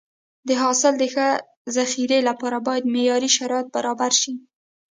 د حاصل د ښه ذخیرې لپاره باید معیاري شرایط برابر شي.